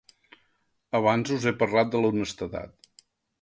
Abans us he parlat de l’honestedat.